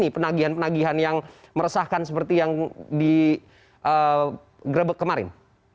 penagihan penagihan yang meresahkan seperti yang digrebek kemarin